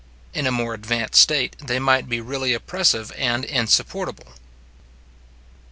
In a more advanced state, they might be really oppressive and insupportable.